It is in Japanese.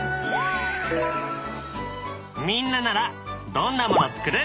みんなならどんなもの作る？